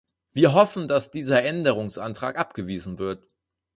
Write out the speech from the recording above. Wir hoffen, dass dieser Änderungsantrag abgewiesen wird.